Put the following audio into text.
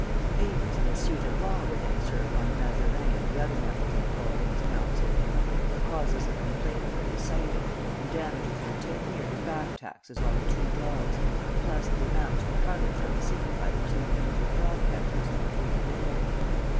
"Papers in a suit at law were then served on Mazarin and the other members of Apollyon's council, the causes of complaint were recited, and damages for ten years back taxes on two dogs, plus the amounts recovered from the city by the two injured dog catchers, were demanded.